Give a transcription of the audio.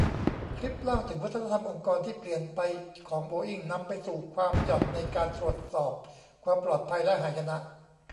คลิปเล่าถึงวัฒนธรรมองค์กรที่เปลี่ยนไปของโบอิ้ง นำไปสู่ความหย่อนในการตรวจสอบความปลอดภัย และหายนะ